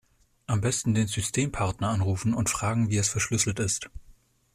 Am Besten den Systempartner anrufen und fragen wie es verschlüsselt ist.